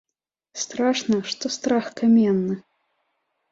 Страшна, што страх каменны.